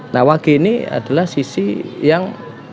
nah wage ini adalah sisi yang